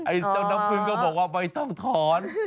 เจ้าน้ำพึ่งก็บอกว่าไม่ต้องถอน